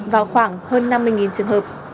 vào khoảng hơn năm mươi trường hợp